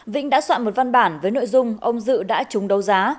vĩnh đã soạn một văn bản với nội dung ông dự đã trúng đấu giá